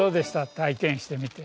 体験してみて。